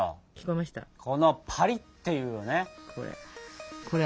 このパリッていうね音よ。